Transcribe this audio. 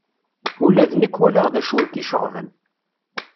Ula d nekk walaɣ d acu i k-iceɣben.